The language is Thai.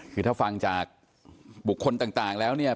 คือถ้าฟังจากบุคคลต่างแล้วเนี่ย